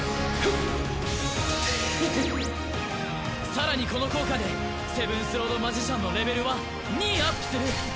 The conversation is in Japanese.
さらにこの効果でセブンスロード・マジシャンのレベルは２アップする！